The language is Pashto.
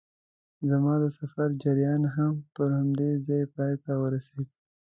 زما د سفر جریان هم پر همدې ځای پای ته ورسېد.